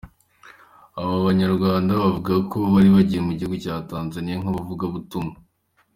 Abo banya Rwanda bavuga ko bari bagiye mu gihugu ca Tanzaniya nk'abavuga butumwa.